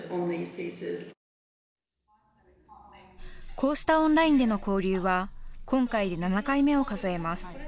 こうしたオンラインでの交流は今回で７回目を数えます。